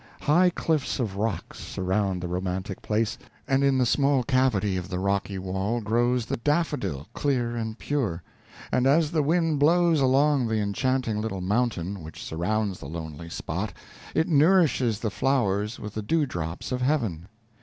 High cliffs of rocks surround the romantic place, and in the small cavity of the rocky wall grows the daffodil clear and pure; and as the wind blows along the enchanting little mountain which surrounds the lonely spot, it nourishes the flowers with the dew drops of heaven.